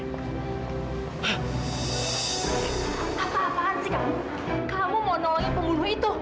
apa apaan sih kamu kamu mau nolongin pembunuh itu